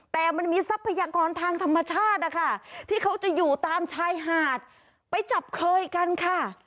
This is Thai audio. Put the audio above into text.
แต่มันมีทรัพยากรทางธรรมชาตินะคะที่เขาจะอยู่ตามชายหาดไปจับเคยกันค่ะ